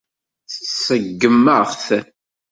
Tseggem-aɣ-t.